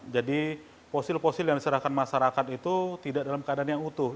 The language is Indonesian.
jadi fosil fosil yang diserahkan masyarakat itu tidak dalam keadaan yang utuh